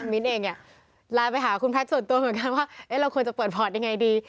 มิ้นเองไลน์ไปหาคุณแพทย์ส่วนตัวเหมือนกันว่าเราควรจะเปิดพอร์ตยังไงดี